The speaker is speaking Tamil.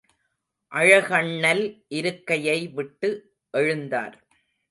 அழகண்ணல் இருக்கையை விட்டு எழுந்தார்.